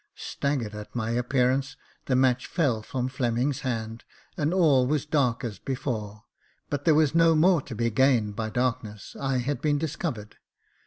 Staggered at my appearance, the match fell from Fleming's hand, and all was dark as before ; but there was no more to be gained by darkness — I had been discovered.